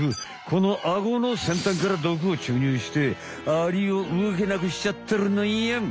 このアゴのせんたんから毒を注入してアリをうごけなくしちゃってるのよん。